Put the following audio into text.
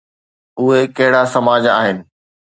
اهي ڪهڙا سماج آهن؟